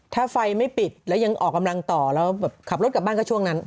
ถ้าไฟไม่ปิดแล้วยังออกกำลังต่อแล้วแบบขับรถกลับบ้านก็ช่วงนั้น